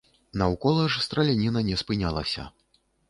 Наўкола ж страляніна не спынялася.